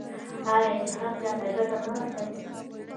آیا چې هر چا ته ګټه نه رسوي؟